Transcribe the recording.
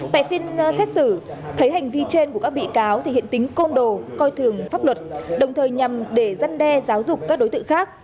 tại phiên xét xử thấy hành vi trên của các bị cáo thể hiện tính côn đồ coi thường pháp luật đồng thời nhằm để giăn đe giáo dục các đối tượng khác